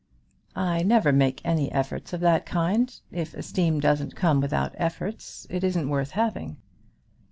"I never make any efforts of that kind. If esteem doesn't come without efforts it isn't worth having."